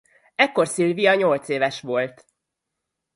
Ekkor Sylvia nyolcéves volt.